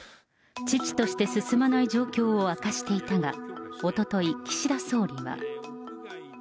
遅々として進まない状況を明かしていたが、おととい、岸田総理は。